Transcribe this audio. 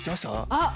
あっ！